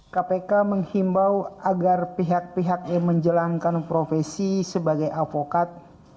kpk menghimbau agar pihak pihak yang menjalankan profesi sebagai avokat